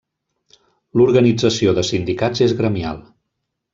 L'organització de sindicats és gremial.